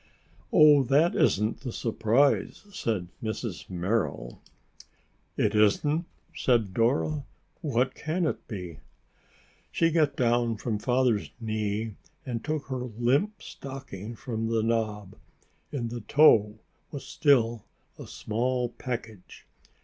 "Oh, that isn't the surprise," said Mrs. Merrill. "It isn't!" said Dora. "What can it be?" She got down from Father's knee and took her limp stocking from the knob. In the toe was still a small package.